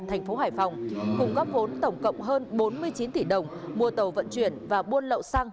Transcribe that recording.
thành phố hải phòng cùng góp vốn tổng cộng hơn bốn mươi chín tỷ đồng mua tàu vận chuyển và buôn lậu xăng